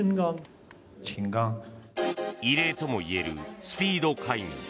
異例ともいえるスピード解任。